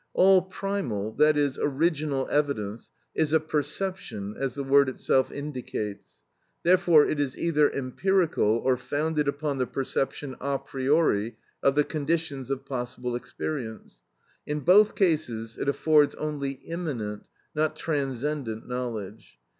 All primal, that is, original, evidence is a perception, as the word itself indicates. Therefore it is either empirical or founded upon the perception a priori of the conditions of possible experience. In both cases it affords only immanent, not transcendent knowledge.